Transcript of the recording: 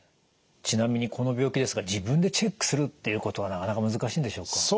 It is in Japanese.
ちなみにこの病気ですが自分でチェックするっていうことはなかなか難しいんでしょうか？